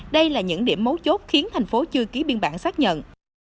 đây là những điểm mấu chốt khiến thành phố chưa ký biên bản xác nhận